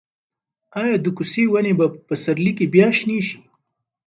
ایا د کوڅې ونې به په پسرلي کې بیا شنې شي؟